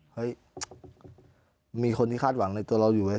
เฮ้ยมีคนที่คาดหวังในตัวเราอยู่ไหม